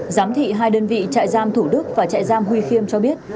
giám thị hai đơn vị chạy giam thủ đức và chạy giam huy khiêm cho biết